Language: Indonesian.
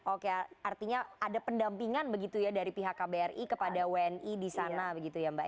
oke artinya ada pendampingan begitu ya dari pihak kbri kepada wni di sana begitu ya mbak